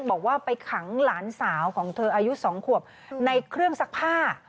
บอกว่าไปขังหลานสาวของเธออายุ๒ขวบในเครื่องซักผ้า